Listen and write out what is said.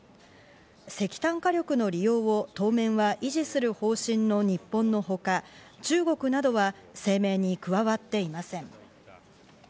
石炭火力の利用を当面は維持する方針の日本のほか、中国などは声明に加わっていません。